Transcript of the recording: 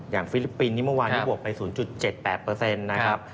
อย่างฟิลิปปินนี่เมื่อวานบวกไป๐๗๘เปอร์เซ็นต์นะครับ